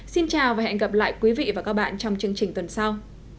xin chào và hẹn gặp lại quý vị và các bạn trong chương trình tuần sau